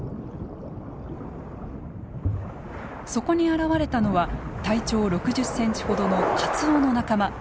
そこに現れたのは体長６０センチほどのカツオの仲間。